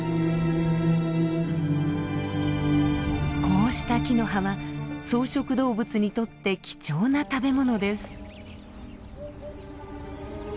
こうした木の葉は草食動物にとって貴重な食べ物です。